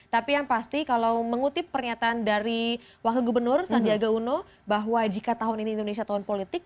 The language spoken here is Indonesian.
tapi yang pasti kalau mengutip pernyataan dari wakil gubernur sandiaga uno bahwa jika tahun ini indonesia tahun politik